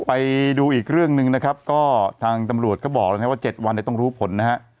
ไปดูอีกเรื่องหนึ่งนะครับก็ทางตำรวจก็บอกแล้วนะครับว่า๗วันต้องรู้ผลนะฮะ